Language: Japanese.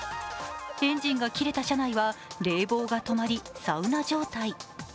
エンジンが切れた車内は冷房が止まり、サウナ状態。